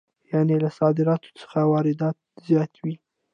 یانې له صادراتو څخه یې واردات زیات وي